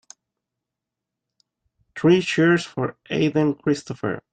Three cheers for Aden Christopher.